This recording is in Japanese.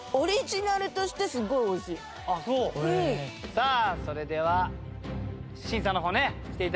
さあそれでは審査の方ねして頂きたいと思います。